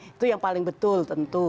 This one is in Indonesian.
itu yang paling betul tentu